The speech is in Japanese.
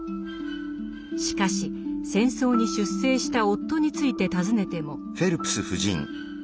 しかし戦争に出征した夫について尋ねても。